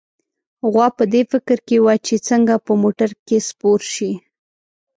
غوا په دې فکر کې وه چې څنګه په موټر کې سپور شي.